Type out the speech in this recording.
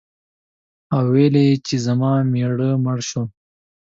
او ویل یې چې زما مېړه مړ شو.